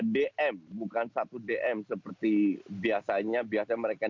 dioki apa yang nggak diganggu kan